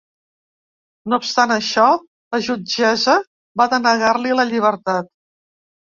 No obstant això, la jutgessa va denegar-li la llibertat.